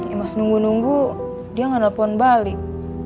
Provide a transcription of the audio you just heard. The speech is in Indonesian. imas nunggu nunggu dia gak nelfon balik